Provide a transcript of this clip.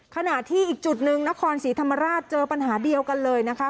ขณะที่อีกจุดหนึ่งนครศรีธรรมราชเจอปัญหาเดียวกันเลยนะคะ